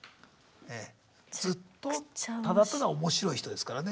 ずっとただただ面白い人ですからね。